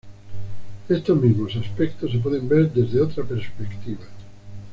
Estos mismos aspectos, se pueden ver desde otra perspectiva.